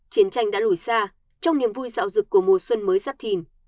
chiến tranh đã lùi xa trong niềm vui dạo dực của mùa xuân mới giáp thìn